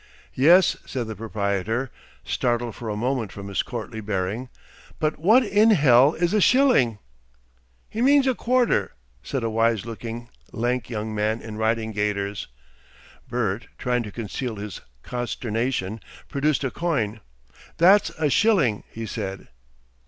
"Yes," said the proprietor, startled for a moment from his courtly bearing. "But what in hell is a shilling?" "He means a quarter," said a wise looking, lank young man in riding gaiters. Bert, trying to conceal his consternation, produced a coin. "That's a shilling," he said.